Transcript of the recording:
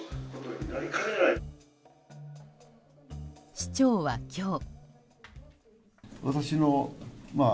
市長は今日。